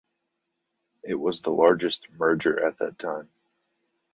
It was the largest merger at that time.